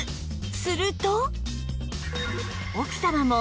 すると